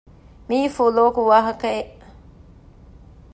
މީ ފުލޯކު ވާހަކައެއް